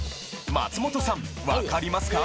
松本さんわかりますか？